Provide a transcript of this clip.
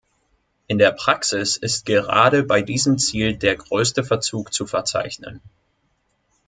In der Praxis ist gerade bei diesem Ziel der größte Verzug zu verzeichnen.